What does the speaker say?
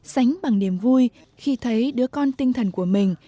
sánh bằng niềm vui khi thấy đứa con tinh thần của mình